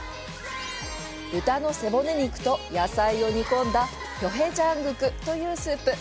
豚の背骨肉と野菜を煮込んだピョヘジャングクというスープ！